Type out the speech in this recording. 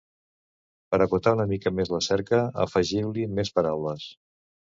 Per acotar una mica més la cerca, afegiu-hi més paraules.